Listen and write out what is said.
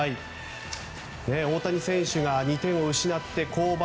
大谷選手が２点を失って降板。